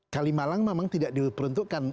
kalimalang memang tidak diperuntukkan